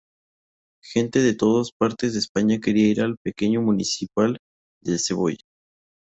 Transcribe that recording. Gente de todas partes de España quería ir al pequeño Municipal de Cebolla.